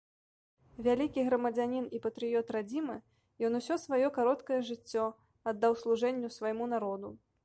Вялікі грамадзянін і патрыёт радзімы, ён усё сваё кароткае жыццё аддаў служэнню свайму народу.